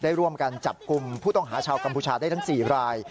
ร่วมกันจับกลุ่มผู้ต้องหาชาวกัมพูชาได้ทั้ง๔ราย